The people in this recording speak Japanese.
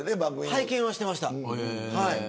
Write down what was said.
拝見していました。